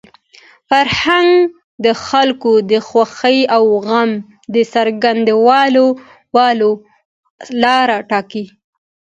فرهنګ د خلکو د خوښۍ او غم د څرګندولو لاره ټاکي.